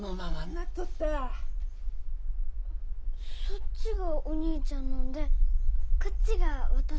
そっちがお兄ちゃんのんでこっちが私のん？